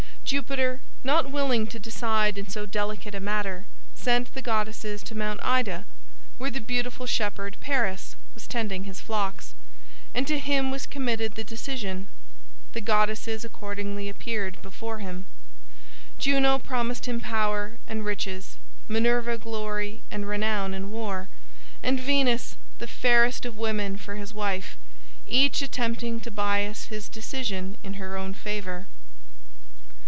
Jupiter, not willing to decide in so delicate a matter, sent the goddesses to Mount Ida, where the beautiful shepherd Paris was tending his flocks, and to him was committed the decision. The goddesses accordingly appeared before him. Juno promised him power and riches, Minerva glory and renown in war, and Venus the fairest of women for his wife, each attempting to bias his decision in her own favor.